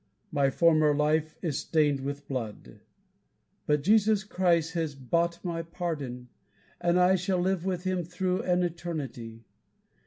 My former life is stained with blood: but Jesus Christ has bought my pardon, and I shall live with him through an eternity.